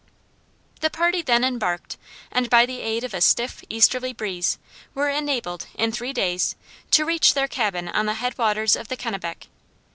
The party then embarked, and by the aid of a stiff easterly breeze, were enabled, in three days, to reach their cabin on the head waters of the Kennebec.